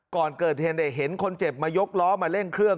ก่อนเกิดเหตุเห็นคนเจ็บมายกล้อมาเร่งเครื่อง